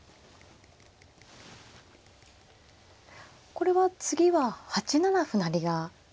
これは次は８七歩成が。